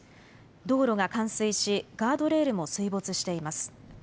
道路が冠水しガードレールも水没しています。